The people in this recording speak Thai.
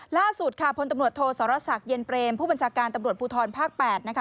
ล่าสุดค่ะพลตำรวจโทสรษักเย็นเปรมผู้บัญชาการตำรวจภูทรภาค๘นะคะ